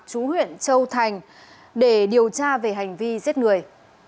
chú huyện châu thành để điều tra về hành vi giết người